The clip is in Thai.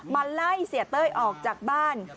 มาไล่เสียเต้ยออกจากบ้าน